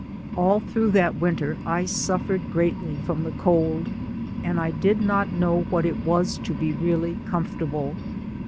All through that winter I suffered greatly from the cold and I did not know what it was to be really comfortable.